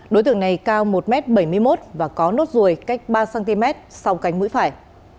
đối tượng này cao một m bảy mươi một và có nốt ruồi cách ba cm sau cánh mũi phải